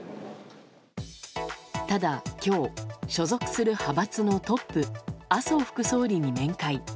ただ、今日所属する派閥のトップ麻生副総理に面会。